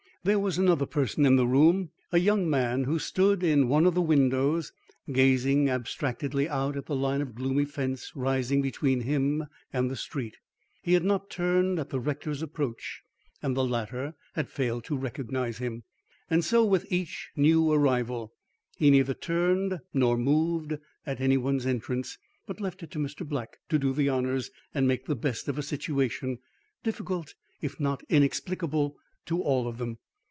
There was another person in the room, a young man who stood in one of the windows, gazing abstractedly out at the line of gloomy fence rising between him and the street. He had not turned at the rector's approach, and the latter had failed to recognise him. And so with each new arrival. He neither turned nor moved at any one's entrance, but left it to Mr. Black to do the honours and make the best of a situation, difficult, if not inexplicable to all of them.